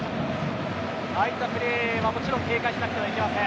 ああいったプレーは、もちろん警戒しなければいけません。